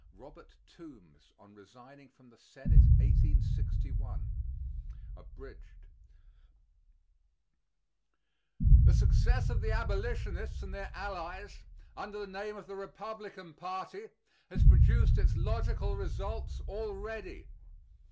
ROBERT TOOMBS ON RESIGNING FROM THE SENATE, 1861 (Abridged) The success of the Abolitionists and their allies, under the name of the Republican party, has produced its logical results already.